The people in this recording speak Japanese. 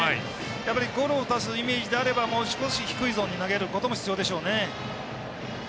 やっぱりゴロを打たすイメージであればもう少し低いゾーンに投げることも必要でしょうね。